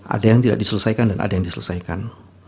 ada yang tidak diselesaikan dan ada yang diselesaikan